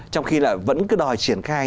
trong khi là vẫn cứ đòi triển khai